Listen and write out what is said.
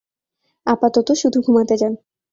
আপাতত, শুধু ঘুমাতে যান।